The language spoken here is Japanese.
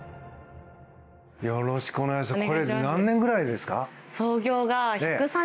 よろしくお願いします。